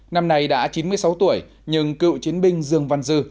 năm nay đã chín mươi sáu tuổi nhưng cựu chiến binh dương văn dư